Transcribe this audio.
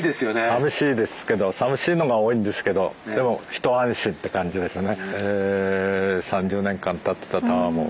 さみしいですけどさみしいのが多いんですけどでも一安心って感じですね。